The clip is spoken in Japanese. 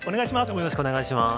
よろしくお願いします。